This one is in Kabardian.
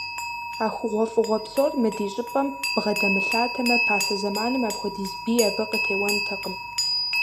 А хъугъуэфӏыгъуэ псор мы ди щӏыпӏэм бгъэдэмылъатэмэ, пасэ зэманым апхуэдиз бий абы къытеуэнтэкъым.